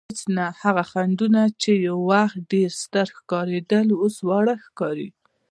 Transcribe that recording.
هېڅ نه، هغه خنډونه چې یو وخت ډېر ستر ښکارېدل اوس واړه ښکاري.